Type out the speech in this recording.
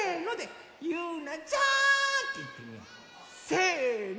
せの！